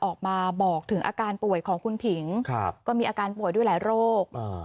ออกมาบอกถึงอาการป่วยของคุณผิงก็มีอาการป่วยด้วยหลายโรค